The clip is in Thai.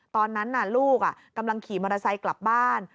ตอนนั้นลูกกำลังขี่มอเตอร์ไซค์กลับบ้าน